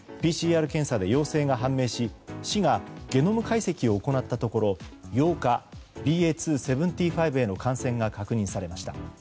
ＰＣＲ検査で陽性が判明し市がゲノム解析を行ったところ８日、ＢＡ．２．７５への感染が確認されました。